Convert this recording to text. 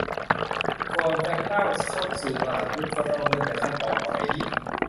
ก่อนจะก้าวเข้าสู่ตลาดหุ้นก็ต้องเริ่มจากขั้นตอนต่อไปนี้